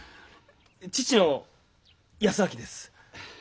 父の泰明です。